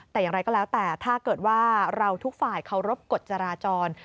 แต่อย่างไรก็แล้วแต่ถ้าเกิดว่าเราทุกฝ่ายเคารพกฎจราจร